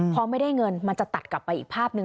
พอไม่ได้เงินมันจะตัดกลับไปอีกภาพหนึ่ง